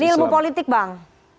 ini ilmu politik bang